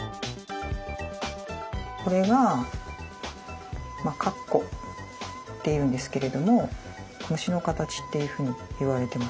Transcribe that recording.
これが「かっこ」っていうんですけれども虫の形っていうふうにいわれてます。